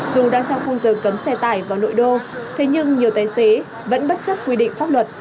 dù đang trong khung giờ cấm xe tải vào nội đô thế nhưng nhiều tài xế vẫn bất chấp quy định pháp luật